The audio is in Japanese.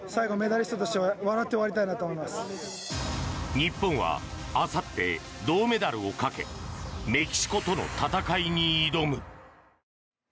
日本はあさって銅メダルをかけメキシコとの戦いに挑む。